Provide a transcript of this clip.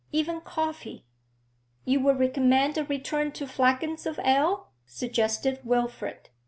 Even coffee ' 'You would recommend a return to flagons of ale?' suggested Wilfrid.